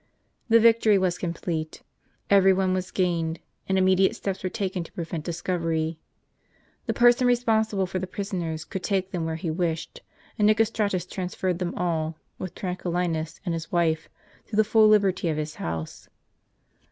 The victory was complete. Every one was gained; and immediate steps were taken to prevent discovery. The per son responsible for the prisoners could take them where he wished ; and Nicostratus transferred them all, with Tranquil linus and his wife, to the full liberty of his house.